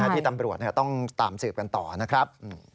ที่ตำรวจต้องตามสืบกันต่อนะครับ